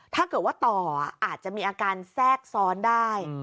ถ้าเกิดว่าต่ออาจจะมีอาการแทรกซ้อนได้